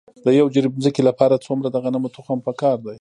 د یو جریب ځمکې لپاره څومره د غنمو تخم پکار دی؟